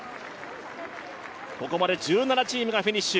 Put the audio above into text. ここまで１７チームがフィニッシュ。